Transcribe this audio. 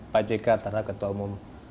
pak jk karena ketua umum